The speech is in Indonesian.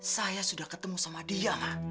saya sudah ketemu sama dia